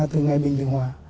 từ ngày bình thường hòa